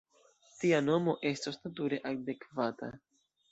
Tia nomo estos nature adekvata.